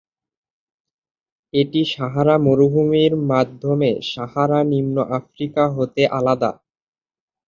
এটি সাহারা মরুভূমির মাধ্যমে সাহারা-নিম্ন আফ্রিকা হতে আলাদা।